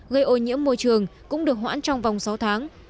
gây ô nhiễm môi trường cũng được hoãn trong vòng sáu tháng